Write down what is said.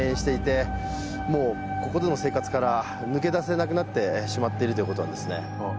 もうここでの生活から抜け出せなくなってしまっているということなんですね